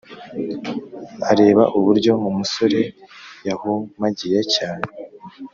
areba uburyo umusore yahumagiye cyane